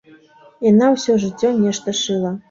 Яна ўсё жыццё нешта шыла.